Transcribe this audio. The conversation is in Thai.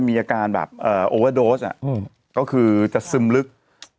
มีสารตั้งต้นเนี่ยคือยาเคเนี่ยใช่ไหมคะ